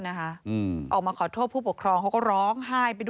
อันนี้ครูเข้าใจครูครูรู้ค่ะว่าครูผิด